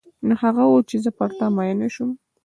نو هغه و چې زه پر تا مینه هم شوم.